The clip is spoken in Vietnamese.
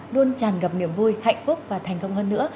luôn chàn gặp niềm vui hạnh phúc và thành công hơn nữa